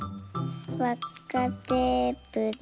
わっかテープで。